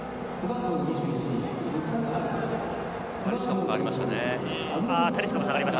タリスカも代わりましたね。